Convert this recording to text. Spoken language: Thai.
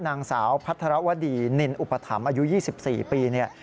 นางสาวพัฒนาวดีนินอุปถัมธ์อายุ๒๔ปี